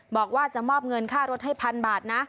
บอกว่าจะมอบเงินค่ารถให้พันบาทนะ